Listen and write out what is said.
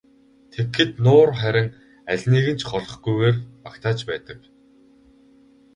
Тэгэхэд нуур харин алиныг нь ч голохгүйгээр багтааж байдаг.